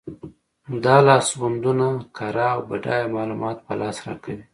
دا لاسوندونه کره او بډایه معلومات په لاس راکوي.